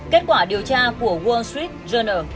kết quả điều tra của wall street journal